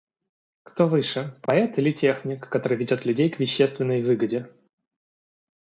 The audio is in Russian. Кто выше – поэт или техник, который ведет людей к вещественной выгоде?